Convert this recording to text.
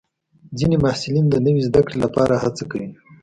ځینې محصلین د نوي زده کړې لپاره هڅه کوي.